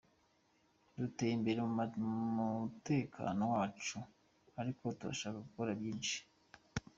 Duteye imbere mu mutekano, mu muco, ariko turashaka gukora byinshi.